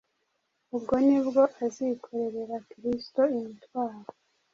ubwo ni bwo azikorerera Kristo imitwaro,